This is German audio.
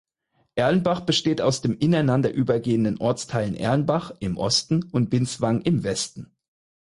Erlenbach besteht aus den ineinander übergehenden Ortsteilen Erlenbach (im Osten) und Binswangen (im Westen).